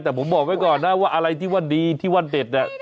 แต่ผมบอกไว้ก่อนนะว่าอะไรที่ว่าดีที่ว่าเด็ดเนี่ย